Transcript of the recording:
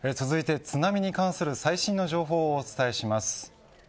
続いて津波に関する最新の情報をお伝えします。